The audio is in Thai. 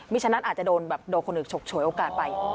ฉะนั้นอาจจะโดนแบบโดนคนอื่นฉกฉวยโอกาสไป